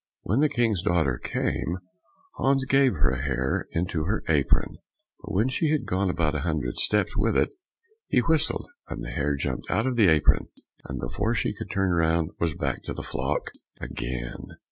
When the King's daughter came, Hans gave her a hare into her apron; but when she had gone about a hundred steps with it, he whistled, and the hare jumped out of the apron, and before she could turn round was back to the flock again.